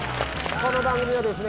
この番組はですね